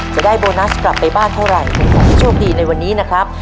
จะได้โบนัสกลับไปบ้านเท่าไหร่เป็นของที่โชคดีในวันนี้นะครับ